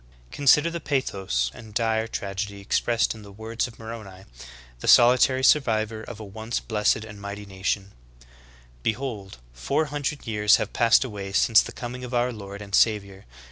Consider the pathos and dire tragedy expressed in the w^ords of Moroni, the solitary survivor of a once blessed and mighty nation : 25. "Behold, four hundred years have passed away since the coming of our Lord and Savior.